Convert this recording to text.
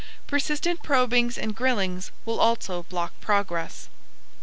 Persistent probings and grillings will also block progress.